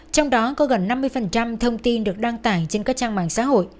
trong đó có gần năm mươi thông tin được đăng tải trên các trang mạng xã hội